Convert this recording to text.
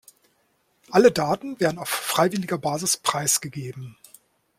Alle Daten werden auf freiwilliger Basis preisgegeben.